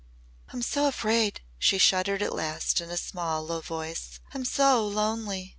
"I'm so afraid," she shuddered at last in a small low voice. "I'm so lonely!"